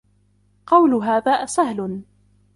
قول هذا سهل.